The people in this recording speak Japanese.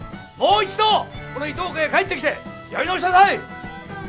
もう一度この伊藤家へ帰ってきてやり直しなさい。